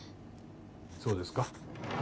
そうですか。